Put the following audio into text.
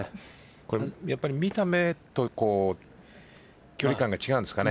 見た目と距離感が違うんですかね。